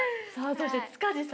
そして塚地さん